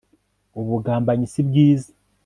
Ubugambanyi si bwiza